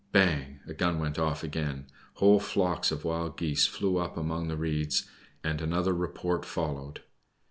Bang! a gun went off again. Whole flocks of Wild Geese flew up from among the reeds, and another report followed.